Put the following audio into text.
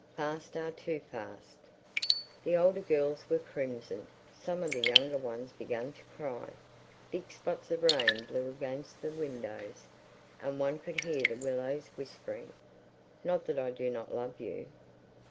Fast! Ah, too Fast. The older girls were crimson; some of the younger ones began to cry. Big spots of rain blew against the windows, and one could hear the willows whispering, "... not that I do not love you...."